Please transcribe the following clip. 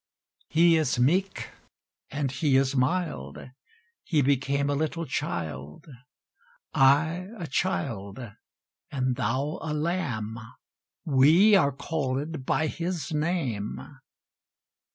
He is meek, and He is mild, He became a little child. I a child, and thou a lamb, We are called by His name.